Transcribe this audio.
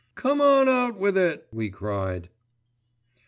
"Come on out with it," we cried.